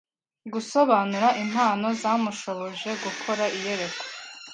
gusobanura impano zamushoboje gukora iyerekwa